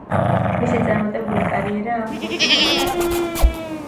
მისი წარმატებული კარიერა ამ გუნდს უკავშირდება.